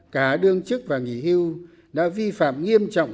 cả đương chức và nghỉ hưu đã vi phạm nghiêm trọng